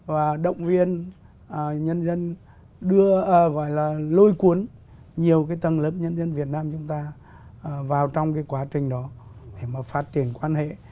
và động viên nhân dân gọi là lôi cuốn nhiều cái tầng lớp nhân dân việt nam chúng ta vào trong cái quá trình đó để mà phát triển quan hệ